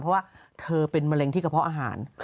เพราะว่าเธอเป็นมะเร็งที่กระเพาะอาหาร